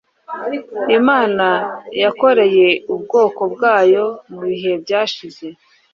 Imana yakoreye ubwoko bwayo mu bihe byashize